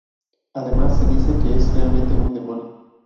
Además se dice que es realmente un demonio.